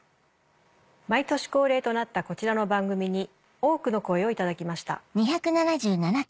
毎年恒例となったこちらの番組に多くの声を頂きました。